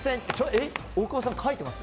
大久保さん書いてます？